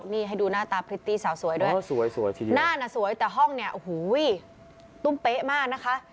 นี่ให้ดูหน้าตาพริตตี้สาวสวยด้วยหน้าน่ะสวยแต่ห้องเนี่ยโอ้โหตุ้มเป๊ะมากนะคะ